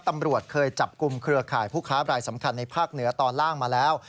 ตำรวจเคยจับกลุ่มเครือข่ายผู้ค้าบรายสำคัญในภาคเหนือตอนล่างมาแล้ว